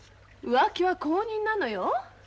浮気は公認なのよ。